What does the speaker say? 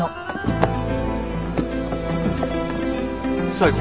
冴子。